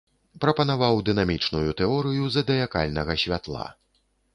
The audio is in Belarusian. Прапанаваў дынамічную тэорыю задыякальнага святла.